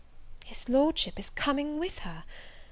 His Lordship is coming with her!